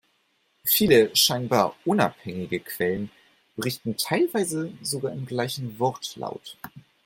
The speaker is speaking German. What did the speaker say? Viele scheinbar unabhängige Quellen, berichten teilweise sogar im gleichen Wortlaut.